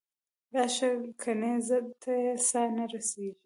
راشه ګنې زړه ته یې ساه نه رسي.